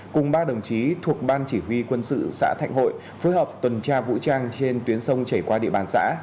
cùng ba đồng chí thuộc ban chỉ huy quân sự xã thạnh hội phối hợp tuần tra vũ trang trên tuyến sông chảy qua địa bàn xã